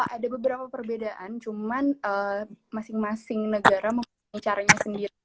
ada beberapa perbedaan cuman masing masing negara mempunyai caranya sendiri